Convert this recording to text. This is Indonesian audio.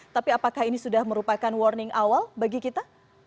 tapi apakah ini sudah merupakan warning awal bagi kita